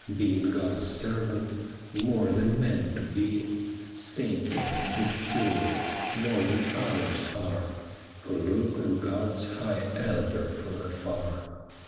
Being God's servant, more than man to be, Saintlier, and purer, more than others are. Who look on God's high altar from afar.